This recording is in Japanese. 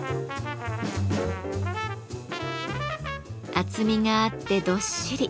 厚みがあってどっしり。